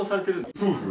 そうですね。